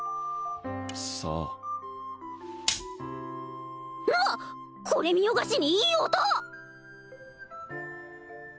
さあうわっこれ見よがしにいい音！